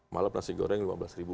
malam nasi goreng lima belas ribu